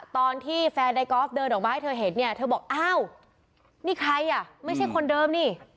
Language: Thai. ตอนที่แฟนในกอล์ฟเดินออกมาให้เธอเห็นเนี่ยเธอบอกอ้าวนี่ใครอ่ะไม่ใช่คนเดิมนี่